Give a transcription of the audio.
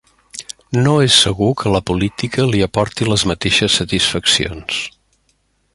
No és segur que la política li aporti les mateixes satisfaccions.